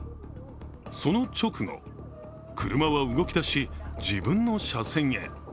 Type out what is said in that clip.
その直後、車は動き出し、自分の車線へ。